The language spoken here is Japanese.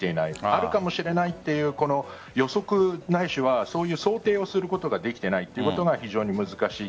あるかもしれないという予測ないしはそういう想定をすることができていないということが非常に難しい。